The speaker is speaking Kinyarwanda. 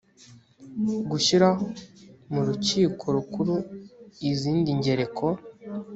gushyiraho mu rukiko rukuru izindi ngereko